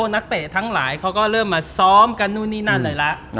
นักเตะทั้งหลายเขาก็เริ่มมาซ้อมกันนู่นนี่นั่นเลยละ